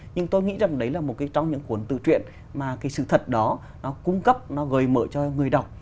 nhưng tôi nghĩ rằng đấy là một trong những cuốn từ chuyện mà cái sự thật đó nó cung cấp nó gợi mở cho người đọc